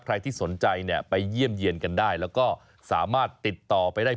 ใครที่สนใจเนี่ยไปเยี่ยมเยี่ยนกันได้แล้วก็สามารถติดต่อไปได้